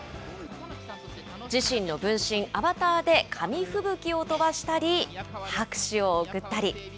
自身の分身、アバターで紙吹雪を飛ばしたり、拍手を送ったり。